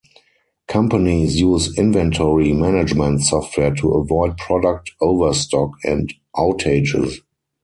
Companies use inventory management software to avoid product overstock and outages.